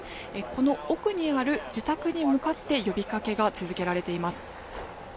この奥にある自宅に向かって呼びかけが続けられています。